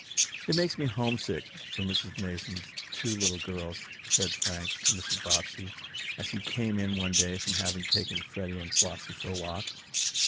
"It makes me homesick for Mrs. Mason's two little girls," said Frank to Mrs. Bobbsey, as he came in one day from having taken Freddie and Flossie for a walk.